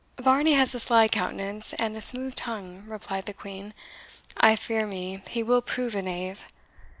"Varney has a sly countenance and a smooth tongue," replied the Queen; "I fear me he will prove a knave.